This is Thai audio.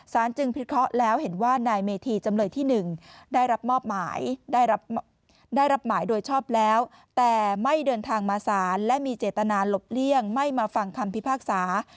สารจึงพิทธิ์เคาะแล้วเห็นว่านายเมธีจำเลยที่๑ได้รับหมายโดยชอบแล้วแต่ไม่เดินทางมาสารและมีเจตนาหลบเลี่ยงไม่มาฟังคำพิพักษา